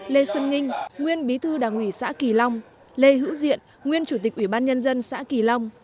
lê xuân nghinh nguyên bí thư đảng ủy xã kỳ long lê hữu diện nguyên chủ tịch ubnd xã kỳ long